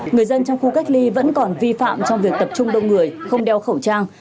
người dân trong khu cách ly vẫn còn vi phạm trong việc tập trung đông người không đeo khẩu trang